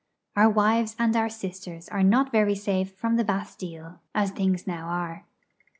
Our wives and our sisters are not very safe from the Bastille, as things now are.